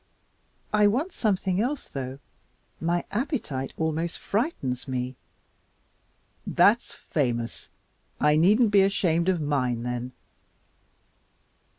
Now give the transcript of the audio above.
"I want something else, though. My appetite almost frightens me." "That's famous! I needn't be ashamed of mine, then."